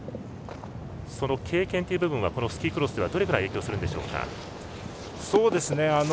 その経験という部分はスキークロスではどれぐらい影響するでしょうか。